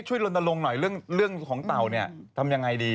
ช่วยลนตรงหน่อยเรื่องของเต่าทำยังไงดี